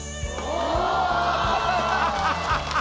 すごい。